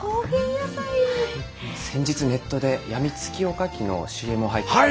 先日ネットでやみつきおかきのＣＭを拝見しまして。